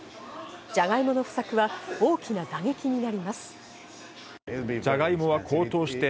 じゃがいもの不作は大きな打撃になります。